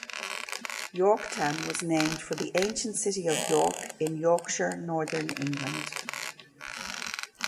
Yorktown was named for the ancient city of York in Yorkshire, Northern England.